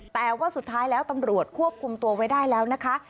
แต่ว่าสุดท้ายแล้วตำรวจควบคุมตัวไว้ได้แล้วนะคะ